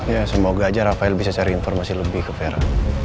ya semoga aja rafael bisa cari informasi lebih ke vera